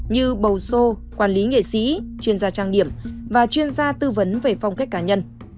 như bầu sô quản lý nghệ sĩ chuyên gia trang điểm và chuyên gia tư vấn về phong cách cá nhân